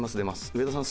上田さん